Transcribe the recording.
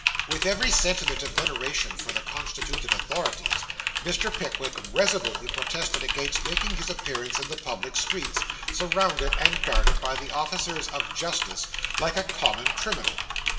With every sentiment of veneration for the constituted authorities, Mr. Pickwick resolutely protested against making his appearance in the public streets, surrounded and guarded by the officers of justice, like a common criminal.